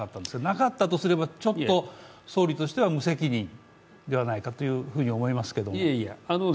なかったとすれば、総理としては無責任ではないかと思いますけども。